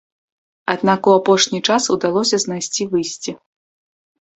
Аднак у апошні час удалося знайсці выйсце.